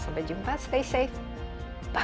sampai jumpa stay safe